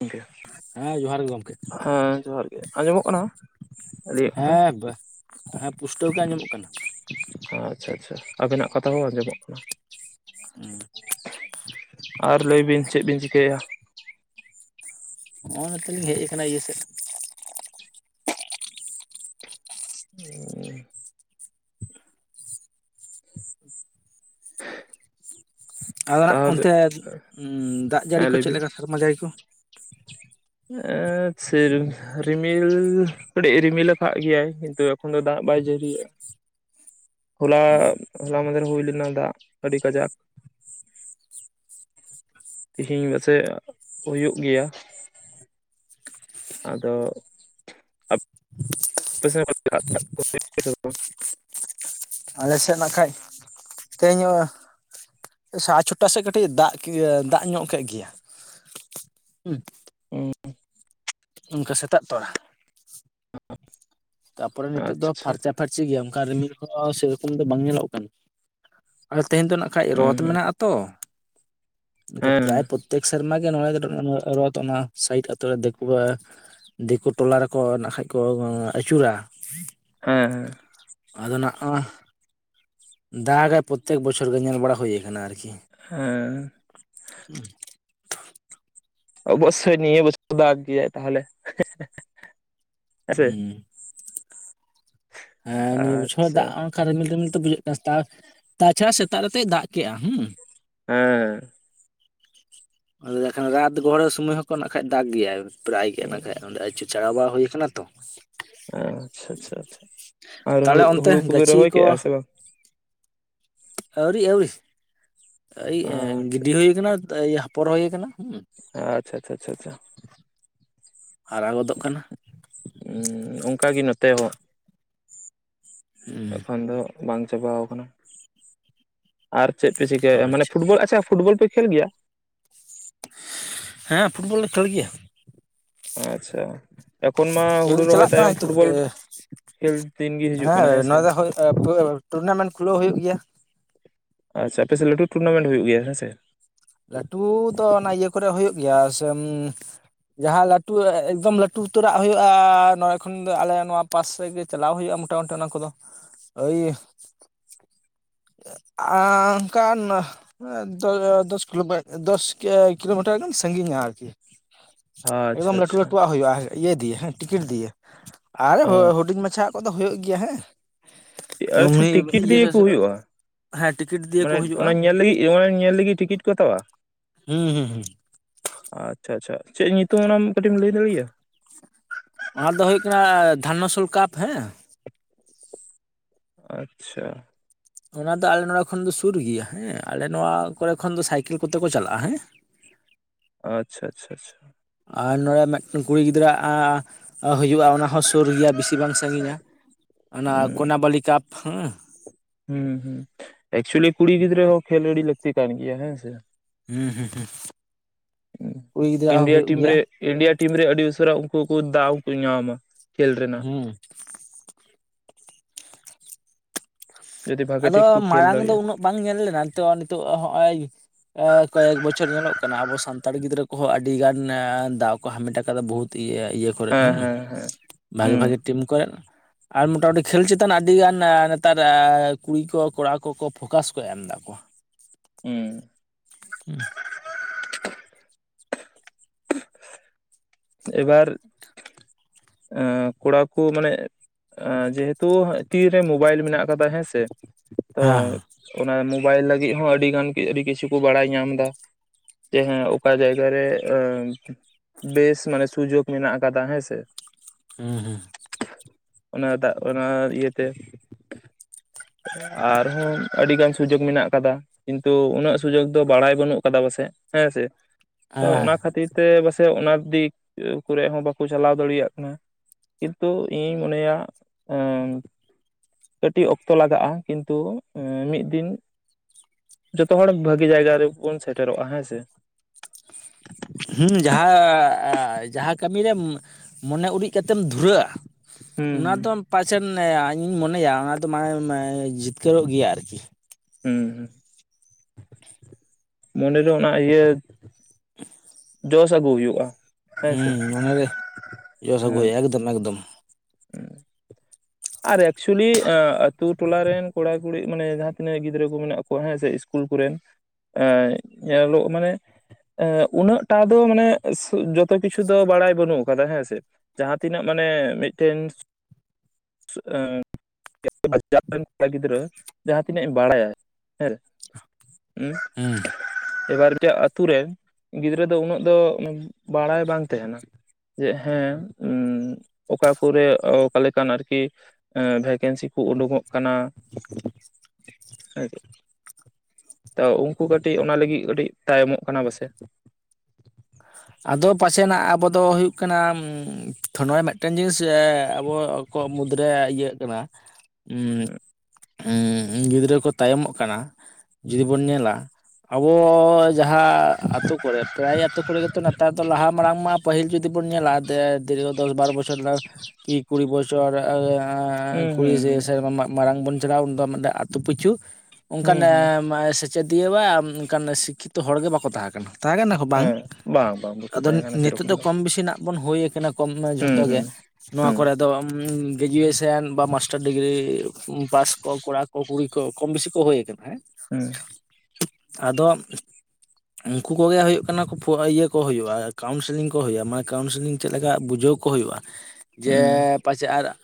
ᱜᱚᱝᱠᱮ ᱦᱮᱸ ᱡᱚᱦᱟᱨ ᱜᱮ ᱜᱚᱢᱠᱮ ᱦᱮᱸ ᱡᱚᱦᱟᱨᱜᱮ ᱟᱸᱡᱚᱢᱚᱜ ᱠᱟᱱᱟ ᱟᱹᱞᱤᱧᱟᱜ ᱠᱟᱛᱷᱟ ᱦᱮᱸ ᱦᱮᱸ ᱯᱩᱥᱴᱟᱹᱣ ᱜᱮ ᱟᱸᱡᱚᱢᱚᱜ ᱠᱟᱱᱟ ᱟᱪᱪᱷᱟ ᱟᱪᱪᱷᱟ ᱟᱵᱤᱱᱟᱜ ᱠᱟᱛᱷᱟ ᱦᱚᱸ ᱟᱸᱡᱚᱢᱚᱜ ᱠᱟᱱᱟ [inaudible] ᱟᱨ ᱞᱟᱹᱭ ᱵᱤᱱ ᱪᱮᱫ ᱵᱤᱱ ᱪᱤᱠᱟᱹᱭᱟ? ᱱᱚᱸᱜᱼᱚ ᱱᱚᱛᱮ ᱞᱤᱧ ᱦᱮᱡ ᱟᱠᱟᱱᱟ ᱤᱭᱟᱹ ᱥᱮᱫ ᱩᱸ ᱟᱫᱚ ᱱᱟᱜ ᱛᱟᱦᱚᱞᱮ ᱚᱱᱛᱮ ᱩᱸ ᱫᱟᱜ ᱡᱟᱹᱲᱤ ᱦᱮᱸ ᱠᱚ ᱞᱟᱹᱭ ᱪᱮᱫ ᱵᱤᱱ ᱞᱮᱠᱟ ᱥᱮᱨᱢᱟ ᱡᱟᱹᱲᱤ ᱠᱚ? [inaudible] ᱮᱸ ᱥᱮ ᱨᱤᱢᱤᱞ ᱠᱟᱹᱴᱤᱡ ᱨᱤᱢᱤᱞ ᱠᱟᱜ ᱜᱮᱭᱟᱭ ᱠᱤᱱᱛᱩ, ᱮᱠᱷᱚᱱ ᱫᱚ ᱫᱟᱜ ᱵᱟᱭ ᱡᱟᱹᱲᱤᱭᱮᱜᱼᱟ ᱦᱚᱞᱟ ᱦᱚᱞᱟ ᱢᱟᱫᱷᱮᱨ ᱦᱩᱭ ᱞᱮᱱᱟ ᱫᱟᱜ ᱟᱹᱰᱤ ᱠᱟᱡᱟᱠ ᱛᱤᱦᱤᱧ ᱯᱟᱪᱮᱫ ᱦᱩᱭᱩᱜ ᱜᱮᱭᱟ ᱟᱫᱚ ᱟᱯᱮ ᱥᱮᱫ [unintelligible] [inaudible] ᱟᱞᱮ ᱥᱮᱜ ᱱᱟᱠᱷᱟᱱᱡ ᱛᱮᱦᱮᱱ ᱚ ᱥᱟᱸ-ᱪᱷᱚᱴᱟ ᱥᱮᱜ ᱠᱟᱹᱴᱤᱡ ᱫᱟᱜ ᱫᱟᱜ ᱧᱚᱜ ᱠᱮᱜ ᱜᱮᱭᱟ ᱦᱩᱸ ᱩᱸ ᱚᱱᱠᱟ ᱥᱮᱛᱟᱜ ᱛᱚᱨᱟ ᱛᱟᱯᱚᱨᱮ ᱱᱤᱛᱳᱜ ᱟᱪᱪᱷᱟ ᱫᱚ ᱟᱪᱪᱷᱟ ᱯᱷᱟᱨᱪᱟ ᱯᱷᱟᱨᱪᱤ ᱪᱮᱫ ᱜᱮᱭᱟ ᱚᱱᱠᱟ ᱨᱤᱢᱤᱞ ᱦᱚᱸ ᱥᱮᱨᱚᱠᱚᱢ ᱫᱚ ᱵᱟᱝ ᱧᱮᱞᱚᱜ ᱠᱟᱱᱟ, ᱟᱨ ᱛᱮᱦᱮᱧ ᱫᱚ ᱱᱟᱜ ᱠᱷᱟᱡ ᱦᱩᱸ ᱨᱚᱛᱷ ᱦᱩᱸ ᱢᱮᱱᱟᱜ ᱛᱚ ᱦᱮᱸ ᱯᱨᱟᱭ ᱯᱨᱚᱛᱮ ᱯᱨᱚᱛᱮᱠ ᱥᱮᱨᱢᱟ ᱜᱮ ᱱᱚᱰᱮ ᱨᱚᱛᱷ ᱚᱱᱟ ᱥᱟᱭᱤᱰ ᱟᱛᱳ ᱨᱮ ᱫᱤᱠᱩᱣᱟᱜ ᱫᱤᱠᱩ ᱴᱚᱞᱟ ᱨᱮᱠᱚ ᱱᱟᱜ ᱠᱷᱟᱡ ᱠᱚ ᱟᱹᱪᱩᱨᱟ ᱦᱮᱸ ᱦᱮᱸ ᱟᱫᱚ ᱱᱟᱜ-ᱟ, ᱫᱟᱜᱟᱭ ᱯᱨᱚᱛᱛᱮᱠ ᱵᱚᱪᱷᱚᱨ ᱜᱮ ᱧᱮᱞ ᱵᱟᱲᱟ ᱦᱩᱭ ᱟᱠᱟᱱᱟ ᱟᱨᱠᱤ ᱦᱮᱸ [inaudible] ᱚᱵᱚᱥᱥᱭ ᱱᱤᱭᱟᱹ ᱵᱚᱪᱷᱚᱨ ᱫᱚ ᱫᱟᱜ ᱜᱮᱭᱟᱭ ᱛᱟᱦᱚᱞᱮ ᱦᱮᱸ ᱦᱮᱸ ᱱᱤᱭᱟᱹ ᱵᱚᱪᱷᱚᱨ ᱫᱟᱜ ᱚᱱᱠᱟ ᱨᱤᱢᱤᱞ ᱨᱤᱢᱤᱞ ᱛᱚ ᱵᱩᱡᱷᱟᱹᱜ ᱠᱟᱱᱟ ᱛᱟ ᱛᱟᱪᱷᱟᱲᱟ ᱥᱮᱛᱟᱜ ᱨᱮᱛᱚᱭ ᱫᱟᱜ ᱠᱮᱫᱼᱟ ᱦᱩᱸ, ᱦᱮᱸ [unintelligible] ᱨᱟᱛ ᱜᱚᱦᱚᱲᱚ ᱥᱚᱢᱚᱭ ᱦᱚᱸ ᱛᱚ ᱱᱟᱜ ᱠᱷᱟᱡ ᱫᱟᱜ ᱜᱮᱭᱟᱭ ᱯᱨᱟᱭ ᱜᱮ ᱱᱟᱜ ᱠᱷᱟᱡ ᱱᱚᱸᱰᱮ ᱟᱹᱪᱩᱨ ᱪᱟᱞᱟ ᱵᱟᱲᱟ ᱦᱩᱭ ᱟᱠᱟᱱᱟ ᱛᱚ ᱮᱸ ᱟᱪᱪᱷᱟ ᱟᱪᱪᱷᱟ ᱟᱪᱪᱷᱟ ᱟᱨ ᱦᱩ ᱛᱟᱦᱚᱞᱮ ᱚᱱᱛᱮ ᱦᱩᱲᱩ ᱠᱚᱯᱮ ᱜᱟᱹᱪᱷᱤ ᱨᱚᱦᱚᱭ ᱠᱮᱜᱼᱟ ᱠᱚ ᱥᱮ ᱵᱟᱝ ᱟᱹᱣᱨᱤ ᱟᱹᱣᱨᱤ ᱮᱸ ᱟᱪᱪᱷᱟ ᱜᱤᱰᱤ ᱦᱩᱭ ᱠᱟᱱᱟ ᱤᱭᱟᱹ ᱟᱯᱷᱚᱨ ᱦᱩᱭ ᱠᱟᱱᱟ ᱦᱩᱸ ᱟᱪᱪᱷᱟ ᱟᱪᱪᱷᱟ ᱟᱪᱪᱷᱟ ᱟᱪᱪᱷᱟ ᱦᱟᱨᱟ ᱜᱚᱫᱚᱜ ᱠᱟᱱᱟ᱾ ᱩᱸ ᱚᱱᱠᱟ ᱜᱮ ᱱᱚᱛᱮ ᱦᱚᱸ᱾ ᱦᱩᱸ ᱮᱠᱷᱚᱱ ᱫᱚ ᱵᱟᱝ ᱪᱟᱵᱟᱣ ᱠᱟᱱᱟ ᱟᱨ ᱪᱮᱫ ᱯᱮ ᱪᱤᱠᱟᱹᱭᱟ ᱢᱟᱱᱮ ᱟᱪᱪᱷᱟ ᱯᱷᱩᱴᱵᱚᱞ ᱟᱪᱪᱷᱟ ᱯᱷᱩᱴᱵᱚᱞ ᱯᱮ ᱠᱷᱮᱞ ᱜᱮᱭᱟ? ᱦᱮᱸ ᱯᱷᱩᱴᱵᱚᱞ ᱞᱮ ᱠᱷᱮᱞ ᱜᱮᱭᱟ ᱟᱪᱪᱷᱟ ᱮᱠᱷᱚᱱ ᱢᱟ ᱠᱷᱮᱞ ᱦᱩᱲᱩ ᱨᱚᱦᱚᱭ ᱪᱟᱞᱟᱜ ᱠᱟᱱᱟ ᱛᱟᱭᱚᱢ ᱱᱤᱛᱚᱜ ᱯᱷᱩᱴᱵᱚᱞ ᱠᱷᱮᱞ ᱫᱤᱱ ᱜᱮ ᱦᱤᱡᱩᱜ ᱠᱟᱱᱟ ᱦᱮᱸ ᱥᱮ ᱚ ᱴᱩᱨ, ᱴᱩᱨᱱᱟᱢᱮᱱᱴ ᱠᱷᱩᱞᱟᱹᱣ ᱦᱩᱭᱩᱜ ᱜᱮᱭᱟ ᱟᱪᱪᱷᱟ ᱟᱯᱮ ᱥᱮᱫ ᱞᱟᱹᱴᱩ ᱴᱩᱨᱱᱟᱢᱮᱱᱴ ᱦᱩᱭᱩᱜ ᱜᱮᱭᱟ ᱦᱮᱸ ᱥᱮ ᱞᱟᱹᱴᱩ ᱫᱚ ᱚᱱᱟ ᱤᱭᱟᱹ ᱠᱚᱨᱮᱜ ᱦᱳᱭᱳᱜ ᱜᱮᱭᱟ ᱥᱮᱢ ᱡᱟᱦᱟᱸ ᱞᱟᱹᱴᱩ ᱮᱠᱫᱚᱢ ᱞᱟᱹᱴᱩ ᱩᱛᱟᱹᱨᱟᱜ ᱦᱳᱭᱳᱜᱼᱟ ᱱᱚᱸᱰᱮ ᱠᱷᱚᱱ ᱫᱚ ᱟᱞᱮ ᱱᱚᱣᱟ ᱯᱟᱥ ᱥᱮᱫ ᱜᱮ ᱪᱟᱞᱟᱣ ᱦᱳᱭᱳᱜᱼᱟ ᱢᱚᱴᱟᱢᱩᱴᱤ ᱚᱱᱟ ᱠᱚᱫᱚ, ᱳᱭ ᱟᱻ ᱚᱱᱠᱟᱱ ᱮᱸ ᱫᱚᱥ-ᱵᱟᱨᱚ ᱫᱚᱥ ᱫᱚᱥ ᱠᱤᱞᱳᱢᱤᱴ ᱟᱸᱻ ᱫᱚᱥ ᱠᱤᱞᱳᱢᱤᱴᱟᱨ ᱜᱟᱱ ᱥᱟᱺᱜᱤᱧᱟ ᱟᱨᱠᱤ ᱮᱠᱫᱚᱢ ᱟᱪᱪᱷᱟ ᱞᱟᱹᱴᱩ ᱟᱪᱪᱷᱟ ᱞᱟᱹᱴᱩᱣᱟᱜ ᱦᱩᱭᱩᱜ-ᱟ ᱤᱭᱟᱹ ᱫᱤᱭᱮ ᱦᱮᱸ ᱴᱤᱠᱤᱴ ᱫᱤᱭᱮ ᱟᱨ ᱚ ᱦᱩᱰᱤᱧ ᱢᱟᱪᱷᱟ ᱟᱜ ᱠᱚᱫᱚ ᱦᱳᱭᱳᱜ ᱜᱮᱭᱟ ᱦᱮᱸ ᱟᱪᱪᱷᱟ ᱴᱤᱠᱤᱴ ᱤᱭᱟᱹ ᱫᱤᱭᱮ ᱠᱩ ᱦᱩᱭᱩᱜ-ᱟ ᱦᱮᱸ ᱴᱤᱠᱤᱴ ᱫᱤᱭᱮ ᱠᱚ ᱢᱟᱱᱮ ᱦᱩᱭᱩᱜᱼᱟ ᱚᱱᱟ ᱧᱮᱞ ᱞᱟᱹᱜᱤᱫ ᱚᱱᱟ ᱧᱮᱞ ᱞᱟᱹᱜᱤᱫ ᱴᱤᱠᱤᱴ ᱠᱚ ᱦᱟᱛᱟᱣᱟ ᱦᱩᱸ ᱦᱩᱸ ᱦᱩᱸ ᱟᱪᱪᱷᱟ ᱟᱪᱪᱷᱟ ᱪᱮᱫ ᱧᱩᱛᱩᱢ ᱚᱱᱟᱢ ᱠᱟᱹᱴᱤᱡ ᱮᱢ ᱞᱟᱹᱭ ᱫᱟᱲᱮᱭᱟᱜ-ᱟ ᱚᱱᱟ ᱫᱚ ᱦᱩᱭᱩᱜ ᱠᱟᱱᱟ ᱫᱷᱟᱱᱚᱥᱳᱞᱠᱟᱯ ᱦᱮᱸ ᱟᱪᱪᱷᱟ ᱚᱱᱟ ᱫᱚ ᱟᱞᱮ ᱱᱚᱣᱟ ᱠᱷᱚᱱ ᱫᱚ ᱥᱩᱨ ᱜᱮᱭᱟ ᱦᱮᱸ ᱟᱞᱮ ᱱᱚᱣᱟ ᱠᱚᱨᱮ ᱠᱷᱚᱱ ᱫᱚ ᱥᱟᱭᱠᱮᱞ ᱠᱚᱛᱮ ᱠᱚ ᱪᱟᱞᱟᱜ-ᱟ ᱦᱮᱸ ᱟᱪᱪᱷᱟ ᱟᱪᱷᱟ ᱟᱪᱷᱟ ᱟᱨ ᱱᱚᱣᱟ ᱢᱮᱫᱴᱮᱱ ᱠᱩᱲᱤ ᱜᱤᱫᱽᱨᱟᱹ ᱟᱜ ᱦᱩᱭᱩᱜᱼᱟ ᱚᱱᱟ ᱦᱚᱸ ᱥᱩᱨ ᱜᱮᱭᱟ ᱵᱤᱥᱤ ᱵᱟᱝ ᱥᱟᱺᱜᱤᱧᱟ ᱚᱱᱟ ᱦᱩᱸ ᱠᱚᱱᱟᱵᱟᱞᱤ ᱠᱟᱯ ᱦᱮᱸ ᱦᱩᱸ ᱦᱩᱸ ᱮᱠᱪᱩᱭᱮᱞᱤ ᱠᱩᱲᱤ ᱜᱤᱫᱽᱨᱟᱹ ᱦᱚᱸ ᱠᱷᱮᱞ ᱟᱹᱰᱤ ᱞᱟᱹᱠᱛᱤ ᱠᱟᱱ ᱜᱮᱭᱟ ᱦᱮᱸ ᱥᱮ ᱦᱩᱸ ᱦᱩᱸ ᱦᱩᱸ ᱠᱩᱲᱤ ᱜᱤᱫᱽᱨᱟᱹᱣᱟᱜ ᱦᱚᱸ ᱤᱱᱰᱤᱭᱟ ᱦᱳᱭᱳᱜ ᱴᱤᱢ ᱜᱮᱭᱟ ᱨᱮ ᱤᱱᱰᱤᱭᱟ ᱴᱤᱢ ᱨᱮ ᱟᱹᱰᱤ ᱩᱥᱟᱹᱨᱟ ᱩᱱᱠᱩ ᱠᱚ ᱫᱟᱣ ᱠᱚ ᱧᱟᱢᱟ ᱠᱷᱮᱞ ᱨᱮᱱᱟᱜ ᱦᱩᱸ ᱡᱩᱫᱤ ᱵᱷᱟᱜᱮ ᱟᱫᱚ ᱴᱷᱤᱠ ᱠᱚ ᱠᱷᱮᱞ ᱢᱟᱭᱟᱝ ᱫᱚ ᱫᱟᱲᱮᱭᱟᱜᱼᱟ ᱩᱱᱟᱹᱜ ᱵᱟᱝ ᱧᱮᱞ ᱠᱟᱱᱟ ᱛᱚ ᱱᱤᱛᱚᱜ ᱦᱚᱸᱜ-ᱚᱭ ᱮ ᱠᱚᱭᱮᱠ ᱵᱚᱪᱷᱚᱨ ᱧᱮᱞᱚᱜ ᱠᱟᱱᱟ ᱟᱵᱚ ᱥᱟᱱᱛᱟᱲ ᱜᱤᱫᱽᱨᱟᱹ ᱠᱚᱦᱚᱸ ᱟᱹᱰᱤ ᱜᱟᱱ ᱫᱟᱣ ᱠᱚ ᱦᱟᱢᱮᱴ ᱠᱟᱫᱟ ᱵᱚᱦᱩᱛ ᱤᱭᱟᱹ ᱤᱭᱟᱹ ᱠᱚᱨᱮᱫ ᱦᱚᱸ ᱦᱮᱸ ᱦᱮᱸ ᱦᱮᱸ ᱵᱷᱟᱜᱤ ᱦᱩᱸ ᱵᱷᱟᱜᱤ ᱴᱤᱢ ᱠᱚᱨᱮᱜ ᱟᱨ ᱢᱚᱴᱟᱢᱩᱴᱤ ᱠᱷᱮᱞ ᱪᱮᱛᱟᱱ ᱟᱹᱰᱤ ᱜᱟᱱ ᱱᱮᱛᱟᱨ ᱠᱩᱲᱤ ᱠᱚ ᱠᱚᱲᱟ ᱠᱚᱠᱚ ᱯᱷᱳᱠᱟᱥ ᱠᱚ ᱮᱢ ᱫᱟᱠᱚ ᱦᱩᱸ ᱦᱩᱸ ᱮᱵᱟᱨ ᱠᱚᱲᱟ ᱠᱚ ᱢᱟᱱᱮ ᱡᱮᱦᱩᱛᱩ ᱛᱤᱨᱮ ᱢᱳᱵᱟᱭᱤᱞ ᱢᱮᱱᱟᱜ ᱠᱟᱫᱟ ᱦᱮᱸᱥᱮ ᱛᱚ ᱦᱮᱸ ᱚᱱᱟ ᱢᱚᱵᱟᱭᱤᱞ ᱞᱟᱹᱜᱤᱫ ᱦᱚᱸ ᱟᱹᱰᱤ ᱜᱟᱱ ᱟᱹᱰᱤ ᱠᱤᱪᱷᱩ ᱵᱟᱲᱟᱭ ᱧᱟᱢ ᱮᱫᱟ ᱡᱮ ᱦᱮᱸ ᱚᱠᱟ ᱡᱟᱭᱜᱟ ᱨᱮ ᱵᱮᱥ ᱢᱟᱱᱮ ᱥᱩᱡᱳᱜᱽ ᱢᱮᱱᱟᱜ ᱟᱠᱟᱫᱟ ᱦᱮᱸ ᱥᱮ ᱦᱩᱸ ᱦᱩᱸ ᱚᱱᱟ ᱫᱟᱜ ᱚᱱᱟ ᱤᱭᱟᱹᱛᱮ ᱟᱨᱦᱚᱸ ᱟᱹᱰᱤᱜᱟᱱ ᱥᱩᱡᱳᱜᱽ ᱢᱮᱱᱟᱜ ᱟᱠᱟᱫᱟ ᱠᱤᱱᱛᱩ ᱩᱱᱟᱹᱜ ᱥᱩᱡᱳᱜᱽ ᱫᱚ ᱵᱟᱲᱟᱭ ᱵᱟᱹᱱᱩᱜ ᱠᱟᱫᱟ ᱯᱟᱥᱮᱫ ᱦᱮᱸ ᱥᱮ ᱛ ᱚᱱᱟ ᱠᱷᱟᱹᱛᱤᱨ ᱛᱮ ᱯᱟᱥᱮᱡ ᱚᱱᱟ ᱫᱤᱠ ᱠᱚᱨᱮᱜ ᱦᱚᱸ ᱵᱟᱠᱚ ᱪᱟᱞᱟᱣ ᱫᱟᱲᱮᱭᱟᱜ ᱠᱟᱱᱟ ᱠᱤᱱᱛᱩ ᱤᱧᱤᱧ ᱢᱚᱱᱮᱭᱟ ᱠᱟᱹᱴᱤᱡ ᱚᱠᱛᱚ ᱞᱟᱜᱟᱜ-ᱟ ᱠᱤᱱᱛᱩ ᱢᱤᱫ ᱫᱤᱱ ᱡᱚᱛᱚ ᱦᱚᱲ ᱵᱷᱟᱜᱤ ᱡᱟᱭᱜᱟ ᱨᱮᱵᱚᱱ ᱥᱮᱴᱮᱨᱚᱜ-ᱟ ᱦᱮᱸ ᱥᱮ ᱦᱩᱸ ᱡᱟᱦᱟᱸ ᱡᱟᱦᱟᱸ ᱠᱟᱹᱢᱤ ᱨᱮᱢ ᱢᱚᱱᱮ ᱩᱨᱤᱡ ᱠᱟᱛᱮᱢ ᱫᱷᱩᱨᱟᱹᱜ-ᱟ ᱦᱩᱸ ᱚᱱᱟ ᱫᱚ ᱯᱟᱪᱮᱫ ᱤᱧᱤᱧ ᱢᱚᱱᱮᱭᱟ ᱚᱱᱟ ᱫᱚ ᱢᱟᱱᱮ ᱡᱤᱛᱠᱟᱹᱨᱚᱜ ᱜᱮᱭᱟ ᱟᱨᱠᱤ ᱦᱩᱸ ᱢᱚᱱᱮ ᱫᱚ ᱚᱱᱟ ᱤᱭᱟᱹ ᱡᱚᱥ ᱟᱹᱜᱩ ᱦᱩᱭᱩᱜ-ᱟ ᱦᱮᱸ ᱥᱮ ᱦᱮᱸ ᱥᱚᱢᱟᱠᱫᱚᱢ ᱟᱨ ᱮᱠᱪᱩᱭᱮᱞᱤ ᱟᱹᱛᱩ ᱴᱚᱞᱟ ᱨᱮᱱ ᱠᱚᱲᱟ ᱠᱩᱲᱤ ᱢᱟᱱᱮ ᱡᱟᱦᱟᱸ ᱛᱤᱱᱟᱹᱜ ᱜᱤᱫᱽᱨᱟᱹ ᱠᱚ ᱢᱮᱱᱟᱜ ᱠᱚᱣᱟ ᱦᱮᱸ ᱥᱮ ᱤᱥᱠᱩᱞ ᱠᱚᱨᱮᱱ ᱧᱮᱞᱚᱜ ᱢᱟᱱᱮ ᱮ ᱩᱱᱟᱹᱜ ᱴᱟᱫᱚ ᱢᱟᱱᱮ ᱡᱚᱛᱚ ᱠᱤᱪᱷᱩ ᱫᱚ ᱵᱟᱲᱟᱭ ᱵᱟᱹᱱᱩᱜ ᱟᱠᱟᱫᱟ ᱦᱮᱸᱥᱮ ᱡᱟᱦᱟᱸ ᱛᱤᱱᱟᱹᱜ ᱢᱟᱱᱮ ᱢᱤᱫᱴᱮᱱ ᱵᱟᱡᱟᱨ ᱨᱮᱱ ᱠᱚᱲᱟ ᱜᱤᱫᱽᱨᱟᱹ ᱡᱟᱦᱟᱸ ᱛᱤᱱᱟᱹᱜ ᱮᱢ ᱵᱟᱲᱟᱭᱟ ᱦᱮᱸ [unintelligible] ᱦᱩᱸ ᱮᱵᱟᱨ ᱡᱮ ᱟᱛᱳ ᱨᱮᱱ ᱜᱤᱫᱽᱨᱟᱹ ᱫᱚ ᱩᱱᱟᱹᱜ ᱫᱚ ᱵᱟᱲᱟᱭ ᱵᱟᱝ ᱛᱟᱦᱮᱱᱟ ᱡᱮ ᱦᱮᱸ ᱚᱠᱟ ᱠᱚᱨᱮ ᱚᱠᱟ ᱞᱮᱠᱟᱱ ᱟᱨᱠᱤ ᱠᱤ ᱵᱷᱮᱠᱮᱱᱥᱤ ᱠᱚ ᱩᱰᱩᱝᱚᱜ ᱠᱟᱱᱟ ᱦᱮᱸᱥᱮ ᱛᱚ ᱩᱱᱠᱩ ᱠᱟᱹᱴᱤᱡ ᱚᱱᱟ ᱞᱟᱹᱜᱤᱫ ᱠᱟᱹᱴᱤᱡ ᱛᱟᱭᱚᱢᱚᱜ ᱠᱟᱱᱟ ᱠᱚ ᱥᱮ ᱾ ᱟᱫᱚ ᱯᱟᱥᱮᱱᱟᱜ ᱟᱵᱚ ᱫᱚ ᱦᱩᱭᱩᱜ ᱠᱟᱱᱟ ᱛᱷᱚ ᱱᱚᱼᱚᱭ ᱢᱤᱫᱴᱮᱱ ᱡᱤᱱᱤᱥ ᱟᱵᱚ ᱠᱚᱜ ᱢᱩᱫᱽᱨᱮ ᱤᱭᱟᱹᱜ ᱠᱟᱱᱟ ᱾ [inaudible] [unintelligible] ᱜᱤᱫᱽᱨᱟᱹ ᱠᱚ ᱛᱟᱭᱚᱢᱚᱜ ᱠᱟᱱᱟ᱾ ᱡᱩᱫᱤ ᱵᱚᱱ ᱧᱮᱞᱟ, ᱟᱵᱚ ᱡᱟᱦᱟᱸ ᱟᱛᱳ ᱠᱚᱨᱮ ᱯᱨᱟᱭ ᱟᱛᱳ ᱠᱚᱨᱮ ᱜᱮ ᱱᱮᱛᱟᱨ ᱫᱚ ᱞᱟᱦᱟ ᱢᱟᱲᱟᱝ ᱢᱟ ᱯᱟᱹᱦᱤᱞ ᱡᱩᱫᱤ ᱵᱚᱱ ᱧᱮᱞᱟ, ᱫᱮ ᱫᱤᱨᱜᱷᱚ ᱫᱚᱥ ᱵᱟᱨᱚ ᱵᱚᱪᱷᱚᱨ ᱠᱤ ᱠᱩᱲᱤ ᱵᱚᱪᱷᱚᱨ ᱦᱩᱸ ᱠᱩᱲᱤ ᱦᱩᱸ ᱥᱮ ᱦᱩᱸ ᱥᱮᱨᱢᱟ ᱢᱟᱨᱟᱲᱟᱝ ᱵᱚᱱ ᱪᱟᱞᱟᱣ ᱩᱱ ᱫᱚ ᱢᱤᱫᱮᱱ ᱟᱹᱛᱩ ᱯᱤᱪᱷᱩ ᱚᱱᱠᱟᱱ ᱦᱩᱸ ᱦᱩᱸ ᱥᱮᱪᱮᱫᱤᱭᱟᱹ ᱚᱱᱠᱟᱱ ᱥᱤᱠᱠᱷᱤᱛᱚ ᱦᱚᱲᱜᱮ ᱵᱟᱠᱚ ᱛᱟᱦᱮᱸ ᱠᱟᱱᱟ, ᱛᱟᱦᱮᱸ ᱠᱟᱱᱟ ᱠᱚ ᱵᱟᱝ? ᱦᱮᱸ ᱵᱟᱝ ᱵᱟᱝ᱾ ᱵᱟᱠᱚ ᱟᱫᱚ ᱛᱟᱦᱮᱸ ᱠᱟᱱᱟ ᱱᱤᱛᱚᱜ ᱥᱮᱨᱚᱠᱚᱢ ᱫᱚ ᱠᱚᱢ ᱵᱤᱥᱤ ᱱᱟᱜ ᱵᱚᱱ ᱦᱩᱭ ᱟᱠᱟᱱᱟ ᱠᱚᱢ ᱦᱩᱸ ᱡᱷᱚᱛᱚ ᱜᱮ ᱦᱩᱸ ᱱᱚᱣᱟ ᱦᱩᱸ ᱠᱚᱨᱮ ᱾ ᱛᱚ ᱜᱨᱮᱡᱩᱭᱮᱥᱮᱱ ᱵᱟ ᱢᱟᱥᱴᱟᱨ ᱰᱤᱜᱽᱨᱤ ᱯᱟᱥ ᱠᱚ, ᱠᱚᱲᱟ ᱠᱚ, ᱠᱩᱲᱤ ᱠᱚ, ᱠᱚᱢ ᱵᱮᱥᱤ ᱠᱚ ᱦᱩᱭ ᱟᱠᱟᱱᱟ, ᱦᱮᱸ᱾ ᱦᱩᱸ᱾ ᱟᱫᱚ ᱩᱱᱠᱩ ᱠᱚᱜᱮ ᱦᱩᱭᱩᱜ ᱠᱟᱱᱟ ᱤᱭᱟᱹ ᱠᱚ ᱦᱩᱭᱩᱜᱼᱟ, ᱠᱟᱣᱩᱱᱥᱮᱞᱤᱝ ᱠᱚ ᱦᱩᱭᱩᱜᱼᱟ, ᱢᱟᱱᱮ ᱠᱟᱣᱩᱱᱥᱮᱞᱤᱝ ᱪᱮᱫ ᱞᱮᱠᱟ ᱵᱩᱡᱷᱟᱹᱣ ᱠᱚ ᱦᱩᱭᱩᱜᱼᱟ᱾ ᱡᱮ ᱦᱩᱸ ᱯᱟᱪᱮᱫ ᱟᱨ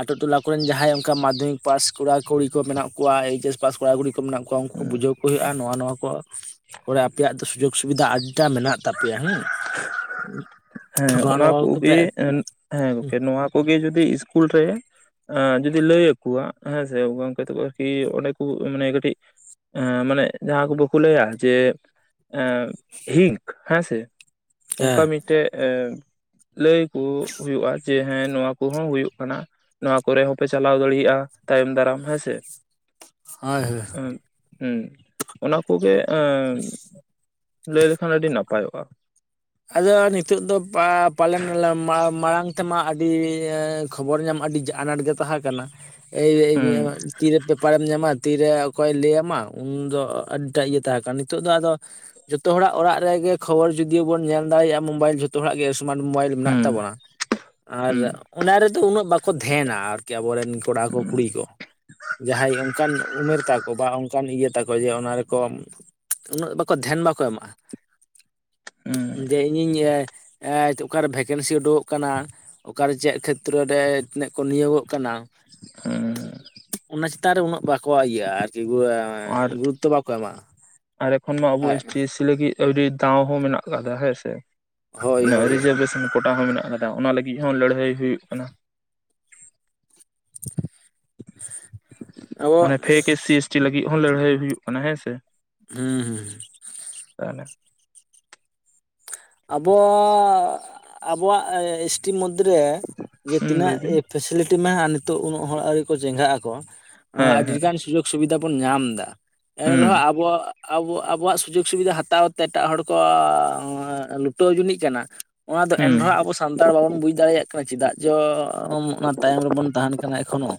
ᱟᱹᱛᱩᱳ ᱴᱚᱞᱟ ᱠᱚᱨᱮᱱ ᱡᱟᱦᱟᱸᱭ ᱚᱱᱠᱟ ᱢᱟᱫᱽᱫᱷᱚᱢᱤᱠ ᱯᱟᱥ ᱠᱚᱲᱟ, ᱠᱩᱲᱤ ᱠᱚ ᱢᱮᱱᱟᱜ ᱠᱚᱣᱟ, ᱮᱭᱤᱪ ᱮᱥ ᱯᱟᱥ ᱠᱚᱲᱟ ᱠᱩᱲᱤ ᱠᱚ ᱢᱮᱱᱟᱜ ᱠᱚᱣᱟ ᱾ ᱩᱱᱠᱩ ᱦᱩᱸ ᱵᱩᱡᱷᱟᱹᱣ ᱠᱚ ᱦᱩᱭᱩᱜᱼᱟ᱾ᱱᱚᱣᱟ ᱱᱚᱣᱟ ᱠᱚ ᱠᱚᱨᱮ ᱟᱯᱮᱭᱟᱜ ᱫᱚ ᱥᱩᱡᱳᱜᱽ ᱥᱩᱵᱤᱫᱷᱟ ᱟᱹᱰᱤ ᱴᱟᱜ ᱢᱮᱱᱟᱜ ᱛᱟᱯᱮᱭᱟ ᱦᱮᱸ᱾ ᱦᱮᱸ, ᱱᱚᱣᱟ ᱚᱱᱟ ᱱᱚᱣᱟ ᱠᱚᱜᱮ ᱠᱚᱯᱮ ᱦᱮᱸ ᱜᱚᱝᱠᱮ ᱱᱚᱣᱟ ᱠᱚᱜᱮ ᱡᱩᱫᱤ ᱤᱥᱠᱩᱞ ᱨᱮ ᱡᱩᱫᱤ ᱞᱟᱹᱭ ᱟᱠᱚᱣᱟ ᱦᱮᱸ ᱥᱮ ᱜᱚᱝᱠᱮ ᱛᱚᱠᱚ ᱟᱨᱠᱤ ᱚᱸᱰᱮ ᱠᱚ ᱢᱟᱱᱮ ᱠᱟᱹᱴᱤᱡ ᱢᱟᱱᱮ ᱡᱟᱦᱟᱸ ᱠᱚ ᱵᱟᱠᱚ ᱞᱟᱹᱭᱟ ᱡᱮ ᱦᱤᱥ ᱦᱮᱸ ᱥᱮ, ᱚᱱᱠᱟ ᱢᱤᱫᱴᱮᱱ ᱞᱟᱹᱭ ᱠᱚ ᱦᱩᱭᱩᱜᱼᱟ ᱡᱮ ᱦᱮᱸ ᱱᱚᱣᱟ ᱠᱚᱦᱚᱸ ᱦᱩᱭᱩᱜ ᱠᱟᱱᱟ ᱾ ᱱᱚᱣᱟ ᱠᱚᱨᱮ ᱦᱚᱸᱯᱮ ᱪᱟᱞᱟᱣ ᱫᱟᱲᱮᱭᱟᱜᱼᱟ ᱛᱟᱭᱚᱢ ᱫᱟᱨᱟᱢ ᱦᱮᱸᱥᱮ ᱾ ᱦᱳᱭ ᱦᱳᱭ ᱮᱸᱦᱩᱸ ᱚᱱᱟ ᱠᱚᱜᱮ ᱾ ᱞᱟᱹᱭ ᱞᱮᱠᱷᱟᱱ ᱟᱹᱰᱤ ᱱᱟᱯᱟᱭᱚᱜᱼᱟ ᱾ ᱟᱫᱚ ᱱᱤᱛᱚᱜ ᱫᱚ ᱯᱟ ᱯᱟᱞᱮᱱ ᱢᱟ ᱢᱟᱲᱟᱝ ᱛᱮᱢᱟ ᱟᱹᱰᱤ ᱠᱷᱚᱵᱚᱨ ᱧᱟᱢ ᱟᱹᱰᱤ ᱟᱱᱟᱴ ᱜᱮ ᱛᱟᱦᱮᱸ ᱠᱟᱱᱟ ᱾ ᱮᱻ ᱦᱩᱸ ᱛᱤᱨᱮ ᱯᱮᱯᱟᱨᱮᱢ ᱧᱟᱢᱟ ᱛᱤᱨᱮ ᱚᱠᱚᱭ ᱞᱟᱹᱭᱟᱢᱟ᱾ ᱩᱱ ᱫᱚ ᱟᱹᱰᱤᱴᱟᱜ ᱤᱭᱟᱹ ᱛᱟᱦᱮᱸ ᱠᱟᱱᱟ ᱱᱤᱛᱚᱜ ᱫᱚ ᱟᱫᱚ ᱡᱷᱚᱛᱚ ᱦᱚᱲᱟᱜ ᱚᱲᱟᱜ ᱨᱮᱜᱮ ᱠᱷᱚᱵᱚᱨ ᱡᱩᱫᱤ ᱵᱚᱱ ᱧᱮᱞ ᱫᱟᱲᱮᱭᱟᱜᱼᱟ ᱢᱳᱵᱟᱭᱤᱞ ᱡᱚᱛᱚ ᱦᱚᱲᱟᱜ ᱜᱮ ᱥᱢᱟᱨᱴ ᱢᱳᱵᱟᱭᱤᱞ ᱢᱮᱱᱟᱜ ᱦᱩᱸ ᱛᱟᱵᱚᱱᱟ ᱾ ᱟᱨ ᱦᱩᱸ ᱚᱱᱟ ᱨᱮᱫᱚ ᱩᱱᱟᱹᱜ ᱵᱟᱠᱚ ᱫᱷᱮᱱᱟ ᱟᱨᱠᱤ ᱟᱵᱚᱨᱮᱱ ᱠᱚᱲᱟ ᱠᱚ ᱠᱩᱲᱤ ᱠᱚ ᱾ ᱡᱟᱦᱟᱸᱭ ᱚᱱᱠᱟᱱ ᱩᱢᱮᱨ ᱛᱟᱠᱚ ᱾ ᱵᱟ ᱚᱱᱠᱟᱱ ᱤᱭᱟᱹ ᱛᱟᱠᱚ ᱡᱮ, ᱚᱱᱟ ᱨᱮᱠᱚ ᱩᱱᱟᱹᱜ ᱵᱟᱠᱚ ᱫᱷᱮᱭᱟᱱ ᱵᱟᱠᱚ ᱮᱢᱟᱜᱼᱟ ᱾ ᱦᱩᱸ ᱡᱮ ᱤᱧᱤᱧ ᱚᱠᱟᱨᱮ ᱵᱷᱮᱠᱮᱱᱥᱤ ᱩᱰᱩᱠᱚᱜ ᱠᱟᱱᱟ ᱾ ᱚᱠᱟᱨᱮ ᱪᱮᱫ ᱠᱷᱮᱛᱨᱚ ᱨᱮ ᱛᱤᱱᱟᱹᱜ ᱠᱚ ᱱᱤᱭᱳᱜᱚᱜ ᱠᱟᱱᱟ ᱾ ᱦᱩᱸ ᱚᱱᱟ ᱪᱮᱛᱟᱱ ᱨᱮ ᱩᱱᱟᱹᱜ ᱵᱟᱠᱚ ᱤᱭᱟᱹ ᱟᱨᱠᱤ ᱜᱩᱨ ᱦᱮ ᱟᱨ ᱸ, ᱜᱩᱨᱩᱛᱚ ᱵᱟᱠᱚ ᱟᱨ ᱮᱠᱷᱚᱱ ᱢᱟ ᱟᱵᱚ ᱮᱢᱟ᱾ᱦᱳᱭ [unintelligible] ᱫᱟᱣ ᱦᱚᱸ ᱢᱮᱱᱟᱜ ᱟᱠᱟᱫᱟ ᱦᱮᱸᱥᱮ ᱨᱮ ᱦᱳᱭ ᱦᱳᱭ [unintelligible] ᱠᱚᱴᱟ ᱦᱚᱸ ᱢᱮᱱᱟᱜ ᱟᱠᱟᱫᱟ, ᱚᱱᱟ ᱞᱟᱹᱜᱤᱫ ᱦᱚᱸ ᱞᱟᱹᱲᱦᱟᱹᱭ ᱦᱩᱭᱩᱜ ᱠᱟᱱᱟ ᱾ [inaudible] ᱟᱵᱚ ᱢᱟᱱᱮ fake S C S T ᱞᱟᱹᱜᱤᱫ ᱦᱚᱸ ᱞᱟᱹᱲᱦᱟᱹᱭ ᱦᱩᱭᱩᱜ ᱠᱟᱱᱟ ᱦᱮᱸᱥᱮ ᱾ ᱦᱩᱸ ᱦᱩᱸ ᱾ ᱛᱟᱦᱚᱞᱮ ᱟᱵᱚ ᱟᱵᱚᱣᱟᱜ ᱮᱥ ᱴ ᱢᱚᱫᱽᱫᱷ ᱨᱮ ᱡᱮ ᱦᱩᱸ ᱛᱤᱱᱟᱹᱜ ᱞᱟᱹᱭ ᱵᱤᱱ ᱯᱷᱮᱥᱮᱞᱤᱴᱤ ᱢᱟ ᱱᱤᱛᱚᱜ ᱩᱱᱟᱹᱜ ᱦᱚᱲ ᱟᱹᱣᱨᱤ ᱠᱚ ᱪᱮᱸᱜᱟᱜ ᱟᱠᱚ ᱦᱮᱸ ᱦᱮᱸ ᱟᱹᱰᱤᱜᱟᱱ ᱥᱩᱡᱳᱜ ᱥᱩᱵᱤᱫᱷᱟ ᱵᱚᱱ ᱧᱟᱢ ᱮᱫᱟ ᱦᱩᱸ ᱮᱱᱨᱮᱦᱚᱸ ᱟᱵᱚᱣᱟᱜ ᱟᱵᱚ ᱟᱵᱚᱣᱟᱜ ᱥᱩᱡᱳᱜᱽ ᱥᱩᱵᱤᱫᱷᱟ ᱦᱟᱛᱟᱣ ᱛᱮ ᱮᱴᱟᱜ ᱦᱚᱲ ᱠᱚ ᱞᱩᱴᱟᱹᱣ ᱡᱩᱱᱤᱡ ᱠᱟᱱᱟ ᱚᱱᱟ ᱫᱚ ᱦᱩᱸ ᱮᱱᱨᱮᱦᱚᱸ ᱟᱵᱚ ᱥᱟᱱᱛᱟᱲ ᱵᱟᱵᱚᱱ ᱵᱩᱡᱽ ᱫᱟᱲᱮᱭᱟᱜ ᱠᱟᱱᱟ ᱪᱮᱫᱟᱜ ᱡᱚ ᱚᱱᱟ ᱛᱟᱭᱚᱢ ᱨᱮᱵᱚᱱ ᱛᱟᱦᱮᱱ ᱠᱟᱱᱟ ᱮᱠᱷᱚᱱᱳ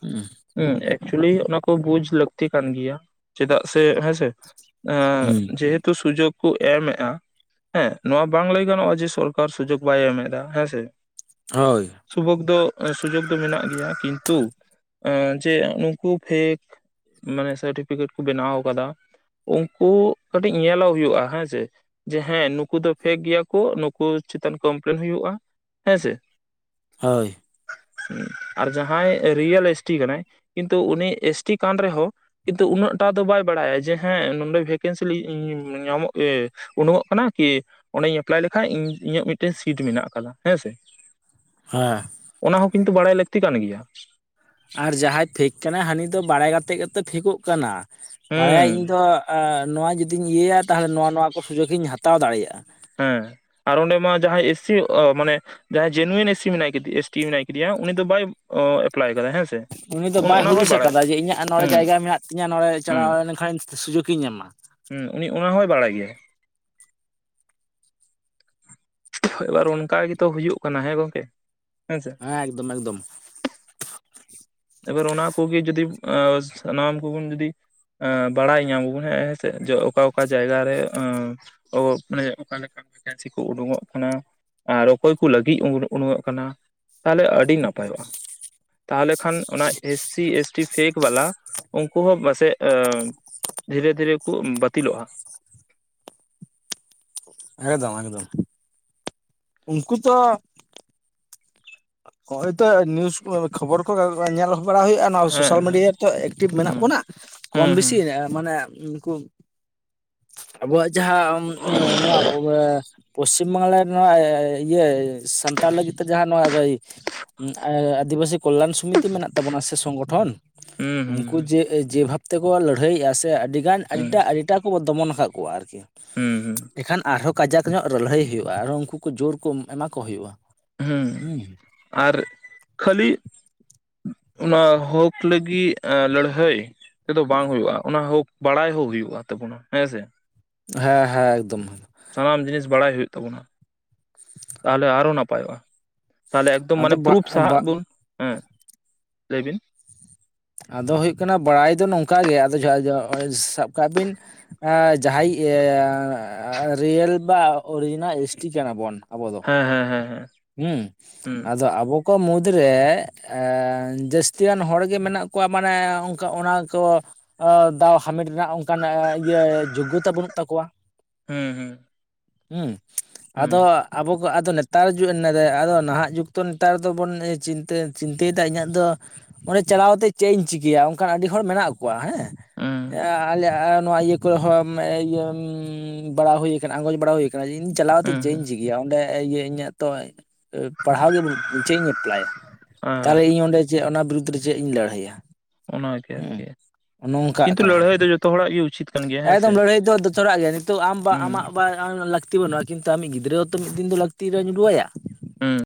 ᱦᱩᱸ ᱦᱮᱸ ᱮᱠᱪᱩᱞᱤ ᱚᱱᱟ ᱠᱚ ᱵᱩᱡ ᱞᱟᱹᱠᱛᱤ ᱠᱟᱱ ᱜᱮᱭᱟ ᱪᱮᱫᱟᱜ ᱥᱮ ᱦᱮᱸᱥᱮ ᱮ ᱦᱩᱸ ᱡᱮᱦᱮᱛᱩ ᱥᱩᱡᱳᱜᱽ ᱠᱚ ᱮᱢᱼᱮᱟ ᱦᱮᱸ ᱱᱚᱣᱟ ᱵᱟᱝ ᱞᱟᱹᱭ ᱜᱟᱱᱚᱜᱼᱟ ᱡᱮ ᱥᱚᱨᱠᱟᱨ ᱥᱩᱡᱳᱜ ᱵᱟᱭ ᱮᱢ ᱮᱫᱟ ᱦᱮᱸᱥᱮ ᱦᱳᱭ ᱥᱩᱵᱳᱜ ᱫᱚ ᱥᱩᱡᱳᱜ ᱫᱚ ᱢᱮᱱᱟᱜ ᱜᱮᱭᱟ ᱠᱤᱱᱛᱩ ᱪᱮ ᱩᱱᱩᱠᱩ ᱯᱷᱮᱠ ᱢᱟᱱᱮ ᱥᱟᱨᱴᱤᱯᱷᱤᱠᱮᱴ ᱠᱚ ᱵᱮᱱᱟᱣ ᱟᱠᱟᱫᱟ ᱾ ᱩᱱᱠᱩ ᱠᱟᱹᱴᱤᱡ ᱧᱮᱞᱚᱜ ᱦᱩᱭᱩᱜᱼᱟ ᱦᱮᱸᱥᱮ ᱾ ᱡᱮ ᱦᱮᱸ ᱱᱩᱠᱩ ᱫᱚ ᱯᱷᱮᱠ ᱜᱮᱭᱟ ᱠᱚ ᱱᱩᱠᱩ ᱪᱮᱛᱟᱱ ᱠᱚᱢᱯᱮᱞᱮᱱ ᱦᱩᱭᱩᱜᱼᱟ ᱦᱮᱸ ᱥᱮ ᱦᱳᱭ ᱟᱨ ᱡᱟᱦᱟᱸᱭ ᱨᱤᱭᱮᱞ ᱮᱥᱴᱤ ᱠᱟᱱᱟᱭ ᱠᱤᱱᱛᱩ ᱩᱱᱤ ᱮᱥᱴᱤ ᱠᱟᱱ ᱨᱮᱦᱚᱸ ᱠᱤᱱᱛᱩ ᱩᱱᱟᱹᱜ ᱴᱟ ᱫᱚ ᱵᱟᱭ ᱵᱟᱲᱟᱭᱟ ᱡᱮ ᱦᱮᱸ ᱱᱚᱰᱮ ᱵᱷᱮᱠᱮᱱᱥᱤ ᱧᱟᱢᱚᱜ ᱮ ᱩᱱᱩᱢᱚᱜ ᱠᱟᱱᱟ ᱠᱤ ᱸᱚᱰᱮᱧ ᱮᱯᱞᱟᱭ ᱞᱮᱠᱷᱟᱡ ᱤᱧᱟᱹᱜ ᱢᱤᱫᱴᱮᱱ ᱥᱤᱴ ᱢᱮᱱᱟᱜ ᱟᱠᱟᱫᱟ ᱦᱮᱸᱥᱮ [inaudible] ᱦᱮᱸ ᱚᱱᱟ ᱦᱚᱸ ᱠᱤᱱᱛᱩ ᱵᱟᱲᱟᱭ ᱞᱟᱹᱠᱛᱤ ᱠᱟᱱ ᱜᱮᱭᱟ ᱟᱨ ᱡᱟᱦᱟᱸᱭ ᱯᱷᱮᱸᱠ ᱠᱟᱱᱟᱭ ᱦᱟᱹᱱᱤ ᱫᱚ ᱵᱟᱲᱟᱭ ᱠᱟᱛᱮᱫ ᱜᱮᱛᱚ ᱯᱷᱮᱠᱚᱜ ᱠᱟᱱᱟ ᱵᱟᱲᱟᱭᱟ ᱦᱩᱸ ᱤᱧ ᱫᱚ ᱱᱚᱣᱟ ᱡᱩᱫᱤᱧ ᱤᱭᱟᱹᱭᱟ ᱛᱟᱦᱚᱞᱮ ᱱᱚᱣᱟ ᱱᱚᱣᱟ ᱠᱚ ᱥᱩᱡᱳᱜ ᱤᱧ ᱦᱟᱛᱟᱣ ᱫᱟᱲᱮᱭᱟᱜᱼᱟ ᱦᱮᱸ ᱟᱨ ᱚᱸᱰᱮ ᱢᱟ ᱡᱟᱦᱟᱸᱭ ᱮᱥᱤ ᱢᱟᱱᱮ ᱡᱟᱦᱟᱸᱭ ᱡᱮᱱᱩᱭᱮᱱ ᱮᱥ ᱮᱥᱤ ᱢᱮᱱᱟᱭᱮᱭᱟ ᱮᱥᱴᱤ ᱢᱮᱱᱟᱭ ᱟᱠᱟᱫᱮᱭᱟ ᱩᱱᱤ ᱫᱚ ᱵᱟᱭ ᱮᱯᱞᱟᱭ ᱟᱠᱟᱫᱟ ᱦᱮᱸᱥ ᱩᱱᱤ ᱫᱚ ᱵᱟᱭ ᱦᱩᱫᱤᱥ ᱟᱠᱟᱫᱟ ᱡᱮ ᱤᱧᱟᱹᱜ ᱱᱚᱰᱮ ᱡᱟᱭᱜᱟ ᱢᱮᱱᱟᱜ ᱛᱤᱧᱟᱹ ᱱᱚᱰᱮ ᱦᱩᱸ ᱪᱟᱞᱟᱣ ᱞᱮᱱᱠᱷᱟᱱ ᱥᱩᱡᱩᱜ ᱤᱧ ᱧᱟᱢᱟ ᱦᱩᱸ ᱩᱱᱤ ᱚᱱᱟ ᱦᱚᱸᱭ ᱵᱟᱲᱟᱭ ᱜᱮᱭᱟ ᱮᱵᱟᱨ ᱚᱱᱠᱟ ᱜᱮᱛᱚ ᱦᱩᱭᱩᱜ ᱠᱟᱱᱟ ᱦᱮᱸ ᱜᱚᱝᱠᱮ ᱦᱮᱸᱥᱮ ᱦᱮᱸ ᱮᱠᱫᱚᱢ ᱮᱠᱫᱚᱢ ᱮᱵᱟᱨ ᱚᱱᱟ ᱠᱚᱜᱮ ᱡᱩᱫᱤ ᱥᱟᱱᱟᱢ ᱠᱚᱵᱚᱱ ᱡᱩᱫᱤ ᱵᱟᱲᱟᱭ ᱧᱟᱢᱟᱵᱚᱱ ᱦᱮᱸ ᱦᱮᱸᱥ ᱡᱚ ᱚᱠᱟ ᱚᱠᱟ ᱡᱟᱭᱜᱟᱨᱮ ᱚ ᱢᱟᱱᱮ ᱚᱠᱟᱞᱮᱠᱟ ᱵᱷᱮᱠᱮᱱᱥᱤ ᱠᱚ ᱩᱰᱩᱠᱚᱜ ᱠᱟᱱᱟ ᱟᱨ ᱚᱠᱚᱭ ᱠᱚ ᱞᱟᱹᱜᱤᱫ ᱩᱰᱩᱠᱚᱜ ᱠᱟᱱᱟ ᱛᱟᱦᱚᱞᱮ ᱟᱹᱰᱤ ᱱᱟᱯᱟᱭᱚᱜᱼᱟ ᱛᱟᱦᱚᱞᱮ ᱠᱷᱟᱱ ᱚᱱᱟ S C S T fake ᱵᱟᱞᱟ ᱩᱱᱠᱩ ᱦᱚᱸ ᱯᱟᱥᱮᱜ ᱫᱷᱤᱨᱮ ᱫᱷᱤᱨᱮ ᱠᱚ ᱵᱟᱹᱛᱤᱞᱚᱜᱼᱟ ᱮᱠᱫᱚᱢ ᱮᱠᱫᱚᱢ ᱩᱱᱠᱩ ᱛᱚ ᱱᱚᱼ ᱚᱭ ᱛᱚ ᱱᱤᱭᱩᱡ ᱠᱷᱚᱵᱚᱨ ᱠᱚ ᱧᱮᱞ ᱵᱟᱲᱟ ᱦᱩᱭᱩᱜᱼᱟ ᱱᱚᱣᱟ ᱦᱮᱸ ᱥᱳᱥᱟᱞ ᱢᱤᱰᱤᱭᱟ [unintelligible] ᱮᱠᱴᱤᱵᱷ ᱢᱮᱱᱟᱜ ᱦᱮᱸ ᱵᱚᱱᱟ ᱠᱚᱢ ᱦᱩᱸ ᱵᱮᱥᱤ ᱦᱩᱸ ᱢᱟᱱᱮ ᱩᱱᱠᱩ ᱟᱵᱚᱣᱟᱜ ᱡᱟᱦᱟᱸ ᱱᱚᱣᱟ ᱯᱚᱥᱪᱤᱢ ᱵᱟᱝᱞᱟ ᱨᱮ ᱱᱚᱣᱟ ᱤᱭᱟᱹ ᱥᱟᱱᱛᱟᱲ ᱞᱟᱹᱜᱤᱫ ᱛᱮ ᱡᱟᱦᱟᱸ ᱱᱚᱣᱟ ᱟᱹᱫᱤᱵᱟᱟᱹᱥᱤ ᱠᱚᱞᱞᱟᱱ ᱥᱚᱢᱤᱛᱤ ᱢᱮᱱᱟᱜ ᱛᱟᱵᱚᱱᱟ ᱥᱮ ᱥᱚᱝᱜᱚᱴᱷᱚᱱ ᱦᱩᱸ ᱦᱩᱸ ᱩᱱᱠᱩ ᱡᱮ ᱡᱮ ᱵᱷᱟᱵ ᱛᱮᱠᱚ ᱞᱟᱹᱲᱦᱟᱹᱭᱮᱫᱼᱟ ᱥᱮ ᱟᱹᱰᱤ ᱜᱟᱱ ᱦᱩᱸ ᱦᱩᱸ ᱟᱹᱰᱤᱴᱟᱜ ᱟᱹᱰᱤᱴᱟᱜ ᱠᱚ ᱫᱚᱢᱚᱱ ᱟᱠᱟᱫ ᱠᱚᱣᱟ ᱟᱨᱠᱤ ᱦᱩᱸ ᱦᱩᱸ ᱮᱠᱷᱟᱱ ᱟᱨᱦᱚᱸ ᱠᱟᱡᱟᱠ ᱧᱚᱜ ᱞᱟᱹᱲᱦᱟᱹᱭ ᱦᱩᱭᱩᱜᱼᱟ ᱟᱨᱚ ᱩᱱᱠᱩ ᱠᱚ ᱡᱳᱨ ᱠᱚ ᱮᱢᱟᱠᱚ ᱦᱩᱭᱩᱜᱼᱟ᱾ ᱦᱩᱢ ᱦᱩᱸ ᱦᱮᱸ ᱟᱨ ᱠᱷᱟᱹᱞᱤ ᱚᱱᱟ ᱦᱚᱠ ᱞᱟᱹᱜᱤᱜ ᱞᱟᱹᱲᱦᱟᱹᱭ ᱛᱮᱫᱚ ᱵᱟᱝ ᱦᱩᱭᱩᱜᱼᱟ ᱚᱱᱟ ᱦᱳᱠ ᱵᱟᱲᱟᱭ ᱦᱚᱸ ᱦᱩᱭᱩᱜᱼᱟ ᱛᱟᱵᱚᱱᱟ ᱦᱮᱸ ᱥᱮ ᱦᱮᱸ ᱦᱮᱸ ᱮᱠᱫᱚᱢ ᱥᱟᱱᱟᱢ ᱡᱤᱱᱤᱥ ᱵᱟᱲᱟᱭ ᱦᱩᱭᱩᱜ ᱛᱟᱵᱳᱱᱟ ᱛᱟᱦᱞᱮ ᱟᱨᱚ ᱱᱟᱯᱟᱭᱚᱜᱼᱟ ᱾ ᱛᱟᱦᱚᱞᱮ ᱮᱠᱫᱚᱢ ᱟᱫᱚ ᱢᱟᱱᱮ ᱵᱟ ᱯᱨᱩᱯᱷ ᱥᱟᱦᱟᱜ ᱵᱟ ᱵᱚᱱ ᱦᱮᱸ ᱞᱟᱹᱭ ᱵᱤᱱ ᱾ ᱟᱫᱚ ᱦᱩᱭᱩᱜ ᱠᱟᱱᱟ ᱵᱟᱲᱟᱭ ᱫᱚ ᱱᱚᱝᱠ ᱜᱮ ᱟᱫᱚ ᱡ ᱥᱟᱵ ᱠᱟᱜ ᱵᱤᱱ ᱡᱟᱦᱟᱸᱭ ᱨᱤᱭᱮᱞ ᱵᱟ ᱚᱨᱤᱡᱤᱱᱟᱞ ᱮᱥᱴᱤ ᱠᱟᱱᱟ ᱵᱚᱱ ᱟᱵᱚ ᱫᱚ ᱾ ᱦᱮᱸ ᱦᱸ ᱦᱮᱸ ᱦᱮᱸ ᱦᱮᱸ ᱦᱩᱸ ᱟᱫᱚ ᱟᱵᱚ ᱠᱚ ᱢᱩᱫᱽᱨᱮ ᱡᱟᱹᱥᱛᱤᱭᱟᱱ ᱦᱚᱲᱜᱮ ᱢᱮᱱᱟᱜ ᱠᱚᱣᱟ ᱢᱟᱱᱮ ᱚᱱᱠᱟ ᱚᱱᱟ ᱠᱚ ᱫᱟᱣ ᱦᱟᱢᱮᱴ ᱨᱮᱱᱟᱜ ᱚᱱᱠᱟᱱ ᱤᱭᱟᱹ ᱡᱳᱜᱽᱜᱚᱛᱟ ᱵᱟᱹᱱᱩᱜ ᱛᱟᱠᱚᱣᱟ ᱾ ᱦᱮᱸ ᱦᱮᱸ ᱦᱮᱸ ᱟᱫᱚ ᱟᱵᱚ ᱠᱚ ᱟᱫᱚ ᱱᱮᱛᱟᱨ ᱦᱡᱩᱜ ᱮᱱᱟᱟᱭ ᱟᱫᱚ ᱱᱟᱦᱟᱜ ᱡᱩᱜᱽ ᱫᱚᱚ ᱱᱮᱛᱟᱨ ᱫᱚᱵᱚᱱᱟᱹ ᱪᱤᱱᱛᱟᱹᱭᱮᱫᱟ ᱤᱧᱟᱹᱜ ᱫᱚ ᱚᱸᱰᱮ ᱪᱟᱞᱟᱣ ᱠᱟᱛᱮ ᱪᱮᱫ ᱤᱧ ᱪᱤᱠᱟᱹᱭᱟ ᱚᱱᱠᱟᱱ ᱟᱹᱰᱤ ᱦᱚᱲ ᱢᱮᱱᱟᱜ ᱠᱚᱣᱟ ᱦᱮᱸ ᱦᱩᱸ ᱟᱞᱮᱭᱟᱜ ᱱᱚᱣᱟ ᱤᱭᱟᱹ ᱤᱭᱟᱹ ᱵᱟᱲᱟ ᱦᱩᱭ ᱟᱠᱟᱱᱟ ᱟᱸᱜᱚᱪ ᱵᱟᱲᱟ ᱦᱩᱭ ᱟᱠᱟᱱᱟ ᱡᱮ ᱤᱧ ᱪᱟᱞᱟᱣᱛᱮ ᱦᱩᱸ ᱪᱮᱫ ᱤᱧ ᱪᱤᱠᱟ ᱦᱩᱸ ᱜᱮ ᱚᱸᱰᱮ ᱤᱭᱟᱹ ᱤᱧᱟᱹᱜ ᱛᱚ ᱯᱟᱲᱦᱟᱣ ᱜᱮ [unintelligible] ᱪᱮᱫ ᱤᱧ ᱮᱯᱞᱟᱭᱟ ᱛᱟᱦᱚᱞᱮ ᱦᱮᱸ ᱤᱧ ᱚᱸᱰᱮ ᱪᱮᱫ ᱚᱱᱟ ᱵᱤᱨᱩᱫᱽᱫ ᱨᱮ ᱪᱮᱫ ᱤᱧ ᱞᱟᱹᱲᱦᱟᱹᱭᱟ ᱚᱱᱟᱜᱮ ᱟᱨᱠᱤ ᱾ ᱦᱩᱸ ᱱᱚᱝᱠᱟᱜ ᱠᱟᱱᱟ ᱠᱟᱱ ᱜᱮᱭᱟ ᱦᱮᱸ ᱥᱮ ᱮᱠᱫᱚᱢ ᱞᱟᱹᱲᱦᱟᱹᱭ ᱫᱚ ᱫᱚ ᱛᱷᱚᱲᱟᱜ ᱜᱮᱭᱟ ᱱᱤᱛᱚᱜ ᱟᱢ ᱵᱟ ᱦᱩᱸ ᱟᱢᱟᱜ ᱵᱟ ᱞᱟᱹᱠᱛᱤ ᱵᱟᱹᱱᱩᱜᱼᱟ ᱠᱤᱱᱛᱩ ᱟᱢ ᱢᱤᱫ ᱜᱤᱫᱽᱨᱟᱹ ᱦᱚᱸ ᱛᱚ ᱢᱤᱫ ᱫᱤᱱ ᱫᱚ ᱞᱟᱹᱠᱛᱤ ᱧᱩᱨᱩᱣᱟᱭᱟ ᱾ ᱦᱮᱸ